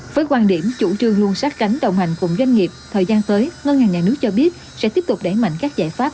với quan điểm chủ trương luôn sát cánh đồng hành cùng doanh nghiệp thời gian tới ngân hàng nhà nước cho biết sẽ tiếp tục đẩy mạnh các giải pháp